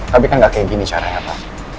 tapi kan gak kayak gini caranya apa